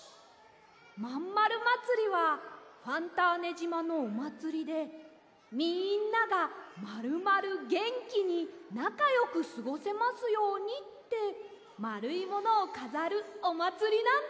まんまるまつりはファンターネじまのおまつりでみんながまるまるげんきになかよくすごせますようにってまるいものをかざるおまつりなんです。